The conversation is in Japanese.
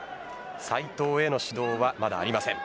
斉藤への指導はまだありません。